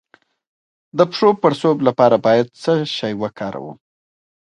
د پښو د پړسوب لپاره باید څه شی وکاروم؟